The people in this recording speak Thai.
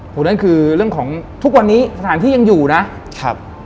ผมนั่นคือเรื่องของทุกวันนี้สถานที่ยังอยู่นะ